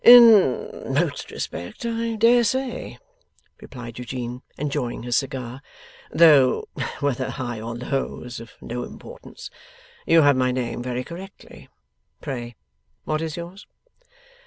'In most respects, I dare say,' replied Eugene, enjoying his cigar, 'though whether high or low is of no importance. You have my name very correctly. Pray what is yours?